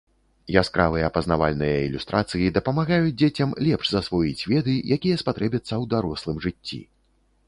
Яскравыя пазнавальныя ілюстрацыі дапамагаюць дзецям лепш засвоіць веды, якія спатрэбяцца ў дарослым жыцці.